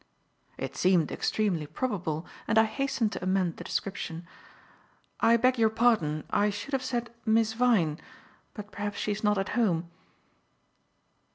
It seemed extremely probable, and I hastened to amend the description. "I beg your pardon. I should have said Miss Vyne. But perhaps she is not at home."